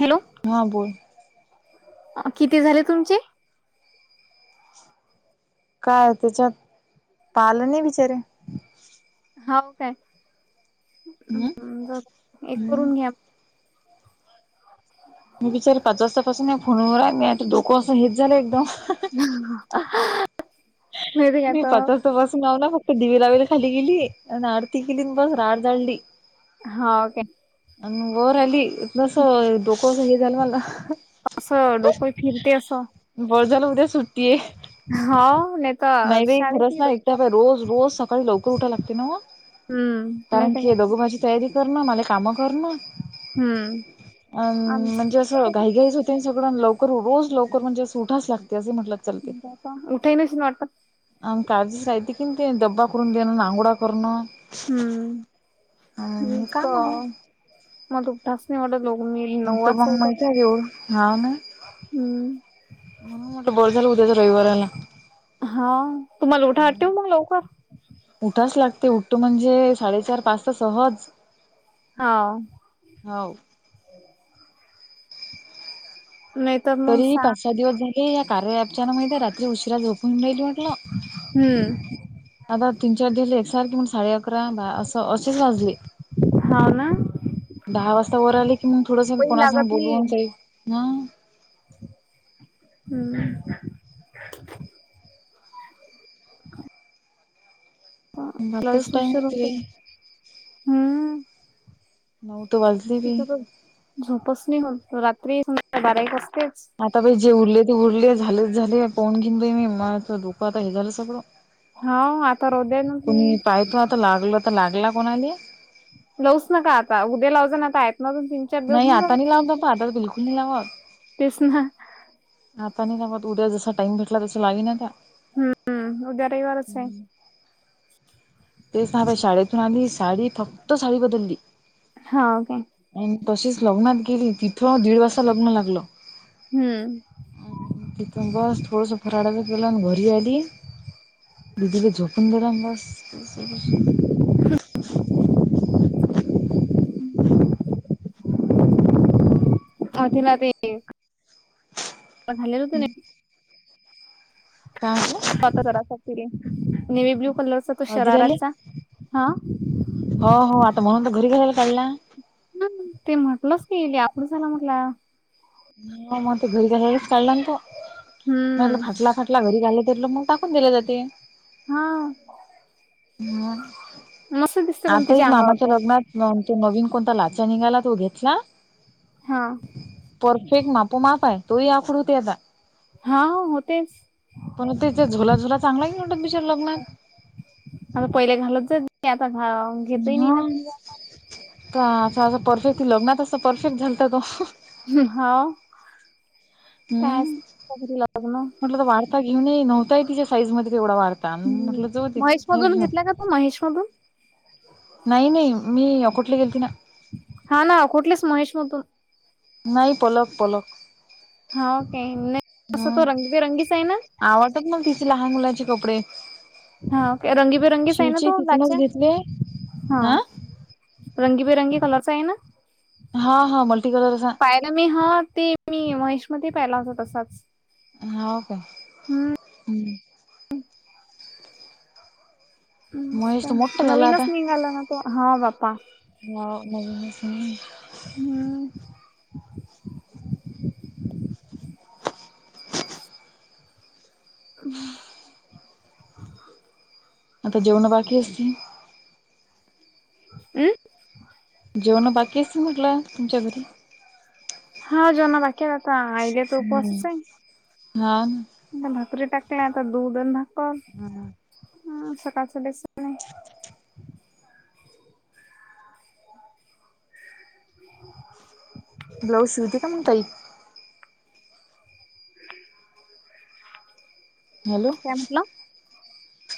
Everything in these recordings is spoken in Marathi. हॅलो हा बोल. किती झाले तुमचे? काय हो त्याच्यात पालं नाही बिचारे. होव काय, हम्म [unintelligible] हे हम्म करून घ्या. मी बिचार पाच वाजतापासून मी फोनवर हाय. मी आता डोकं असं हेच झालं एकदम. [unintelligible] मिळते का मी तर पचचत बसून लावला फक्त दिवे लावेला खाली गेली आणि आरती केली बस राड झाडली. हा ओके. अन्वर अली जसं डोकं जरा हे झालं मला. असं डोकंही फिरते असं. बर झालं उद्या सुट्टी हाय. हाव [unintelligible] नाही बाई खरंच शाळेतही ना एकटा डोकं रोज रोज सकाळी लवकर उठायला लागतंय नव्हं. हम्म नाही कारण तर काय की तर दगोबाची तयारी करणं, मला हे काम करणं हम्म अं आमचं म्हणजे असं घाई-घाईच होते न सगळं लवकर रोज लवकर म्हणजे असे उठाच लागते असे म्हटलं चलते. उठेनीच ना वाटतं. आणि काळजीस राहिती कीन ते डब्बा करून देणं, आणि आंगोळ्या करणं. हम्म [unintelligible] अ काम असास नाही वाटत [unintelligible] मी नऊ तर वाजता मग माहिती उठत आहे एवढं हा ना [unintelligible] हम्म. म्हणून म्हटलं बळ झालं उद्याच्या रविवार आला. हा तुम्हाला उठा ठेव मग लवकर. उठास लागते, उठत म्हणजे साडेचार पाच तर सहज. हाव. हाव. नाही तर मग तरी ही सहा पाच-सहा दिवस झाले या कार्या ऐप च्यान माहिती आहे रात्री उशिरा झोपून राहिली म्हटलं. हम्म. आता तीन चार दिले एकसारखी म्हण, साडे अकरा अस असेच वाजले. हाव ना. दहा वाजता वर आले की, मग थोडस वही कोणासंग लागत नाही बोलवून जाईत मग हम्म. [inaudible] मग आताच लईच टाइम उशीर होते होतोय, हम्म. नऊ तर वाजलेले. तिथं तर झोपच नाही मग तर, रात्री [unintelligible] बारा एक वाजतेच. आता बाई जे उरले ते उरले. झाले ते झाले, पाहून घेऊन बाई मी मलां हेलेलं झालं सगळं. हा आता रोद्यान मी कोणी पाय तो आता लागलं, तर लागला कोणाले? लावूच नका आता, उद्या लाव जाणा [unintelligible] नाही आता नाही लावतं आता तर बिलकुल नाही लावत. तेस ना. आता नाही घावत, उद्या जसा टाइम भेटला तस लावीन आता. हम्म उद्या रविवारच आहे. तेच ना आता शाळेतून आली साडी फक्त साडी बदलली. हा ओके. आणि तशीच लग्नात गेली, तिथं दीड वाजता लग्न लागलं. हम्म. आणि तिथून बस थोडसं फराडचं केलं आणि घरी आली. दीदीला झोपून दिला ना बास. [unintelligible] झालेलं होत नाय का म्हटला? आता जरासा पिले. नेव्ही ब्लू कलरचा तो आधी राहिले? शराराचा हा हो हो आता म्हणून तर घरी गेलेले कळला. ह ते म्हटलंच की, हिले आखूड झाला म्हटला. ह म ते घरी गेल्यानेच कळला ना तो. मी म्हटलं हम्म फाटला फाट आपला घरी घाललं, तरलं मग टाकून दिले जाते. हा. हम्म मस्त दिसते पण आत्ताही तिच्या अंगावर मामाच्या तो लग्नात मग आम्ही तो नवीन कोणता लाचा निघाला तो घेतला हा. परफेक्ट मापूमाप हाय. तो आकुड होतोय आता. हा होतेच. पण तिथ झुला झुला चांगला हाय की म्हंटलं तिच्याक लग्नात. आता पहिले घालत जाईत. मी आता घा घेत नाही हा ना [unintelligible] का परफेक्ट लग्नात असं परफेक्ट झालता तो. हाव [unintelligible] लग्न. म्हटल त वाढता घेऊन येई, नव्हताही तिच्या साईजमध्ये तेवढा वाढता आणि मी हम्म म्हटलं जाऊदे महेश जा मधून घेऊन. घेतला का महेश मगदूम. नाही नाही मी अ कुठली गेलती ना. हा ना कुठलेच महेश मगदूम. नाही पलक पलक. हा ओके, तसा हा तो रंगबिरंगीच आहे ना? आवडतात मग तिचे लहान मुलाचे कपडे. हा ओके, रंगीबिरंगीच आहे ना शिवचे तो तिथूनच लाचा? घेतले हा. आं रंगीबेरंगी कलरच आहे ना? हा हा मल्टी कलर अस. पाहिलं मी हा ते मी महेशमती पाहिला होता तसाच. हाव का हम्म. महेश तर मोठा झाला नवीनच निघालं ना तो हा बापा. नाव नवीनच आहे. म कम आता जेवण बाकी असतील? अं. जेवण बाकी असतील म्हटलं तुमच्या घरी? हा जेवण बाकीयात. हम्म हा. भाकरी टाकल्या आता दूधन भाक अ ना हा सकाळच डेस [inaudible] ब्लाऊज शिवते का मग ताई? हॅलो. काय म्हंटला?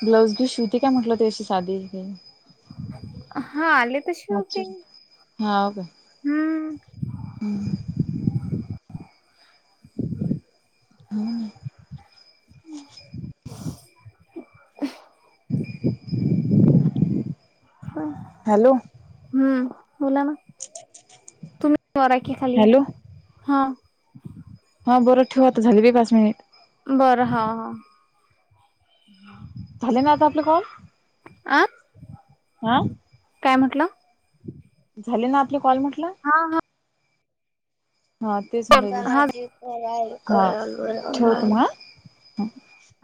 ब्लाउज बिउज शिवती काय म्हटलं ते असे साधे तेन. हा आले तर शिवते, मागची हम्म. अं. हा. [inaudible] होय, हॅलो हम्म बोला ना. तुम्ही वर आहे की खाली हॅलो आहे? हा. हा बरं ठेवा आता झाले की पाच मिनिट. बर हा हा. झाले ना आता आपले कॉल? आ हा काय म्हटलं? झाले ना आपले कॉल म्हटलं? हा हा. हा तेच म्हंटल हा बर की. हा ठेवते मग हा.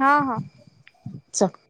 हा हा चल.